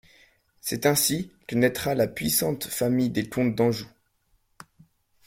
C'est ainsi que naîtra la puissante famille des comtes d'Anjou.